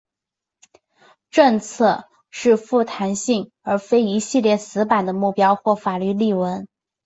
政策是富弹性的而非一系列死板的目标或法律例文。